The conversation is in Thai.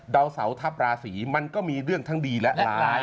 ดาวเสาทัพราศีมันก็มีเรื่องทั้งดีและร้าย